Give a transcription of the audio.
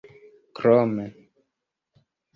krome